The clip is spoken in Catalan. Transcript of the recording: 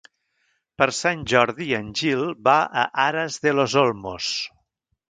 Per Sant Jordi en Gil va a Aras de los Olmos.